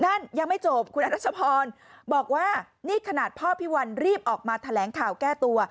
นั่นยังไม่จบคุณอรัชพรบอกว่านี่ขนาดพ่อพี่วันรีบออกมาแถลงข่าวแก้ตัว